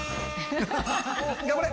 頑張れ！